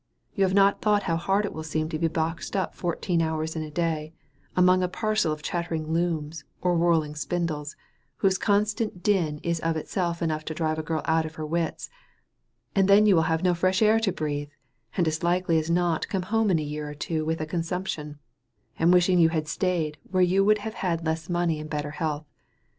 You have not thought how hard it will seem to be boxed up fourteen hours in a day, among a parcel of clattering looms, or whirling spindles, whose constant din is of itself enough to drive a girl out of her wits; and then you will have no fresh air to breathe, and as likely as not come home in a year or two with a consumption, and wishing you had staid where you would have had less money and better health.